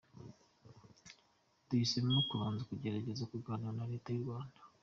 Duhisemo kubanza kugerageza kuganira na Leta y’u Rwanda.